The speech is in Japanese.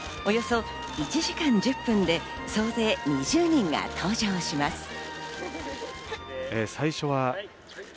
およそ１時間１０分で総勢２０人が登場します。